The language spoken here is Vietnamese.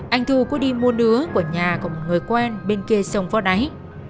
anh thu có đi mua nứa của nhà của một người quen bên kia sông vo đáy